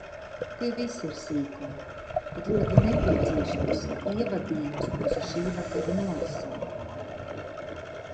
Tie visi ir sīkumi, bet ļoti nepieciešams ievadījums mūsu šīvakara norisei.